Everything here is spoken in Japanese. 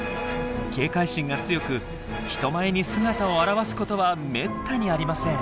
警戒心が強く人前に姿を現すことはめったにありません。